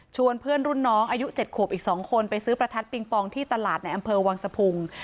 เพื่อนรุ่นน้องอายุ๗ขวบอีก๒คนไปซื้อประทัดปิงปองที่ตลาดในอำเภอวังสะพุง